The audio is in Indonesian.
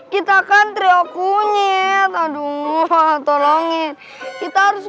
kita kan teriak kunyit aduh tolongin kita harus